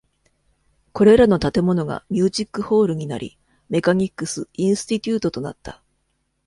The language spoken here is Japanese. これらの建物がミュージック・ホールになり、メカニックス・インスティテュートとなった。